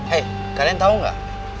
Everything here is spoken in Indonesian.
hei kalian tau gak